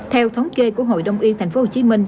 theo thống kê của hội đông y tp hcm